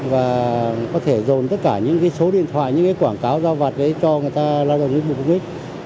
và có thể dồn tất cả những số điện thoại những quảng cáo giao vật cho người ta lao dầu với bụng nguyên liệu